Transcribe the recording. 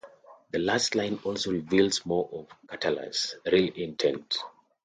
The last line also reveals more of Catullus' real intent.